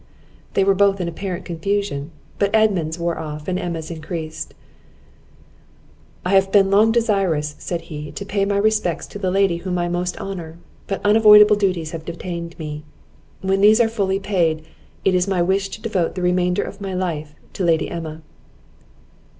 They were both in apparent confusion; but Edmund's wore off, and Emma's increased. "I have been long desirous," said he, "to pay my respects to the lady whom I most honour, but unavoidable duties have detained me; when these are fully paid, it is my wish to devote the remainder of my life to Lady Emma!"